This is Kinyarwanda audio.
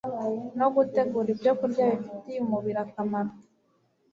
no gutegura ibyokurya bifitiye umubiri akamaro